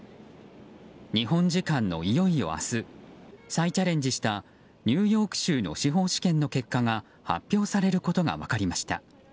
日本時間のいよいよ明日再チャレンジしたニューヨーク州の司法試験の結果が発表されることが分かりました。